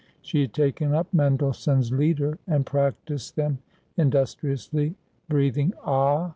She had taken up Mendelssohn's Lieder, and practised them industriously, breathing, ah